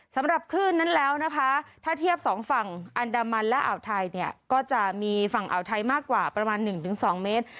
สำหรับคลื่นนั้นแล้วนะคะถ้าเทียบสองฝั่งอันดามันและอ่าวไทยเนี่ยก็จะมีฝั่งอ่าวไทยมากกว่าประมาณ๑๒เมตร